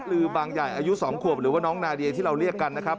ลือบางใหญ่อายุ๒ขวบหรือว่าน้องนาเดียที่เราเรียกกันนะครับ